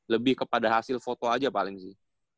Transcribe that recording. lebih kepada hasil foto aja paling sih